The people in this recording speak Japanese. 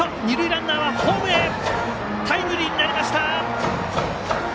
二塁ランナーはホームへ。